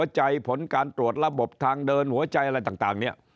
หัวใจผลการตรวจระบบทางเดินหัวใจอะไรต่าง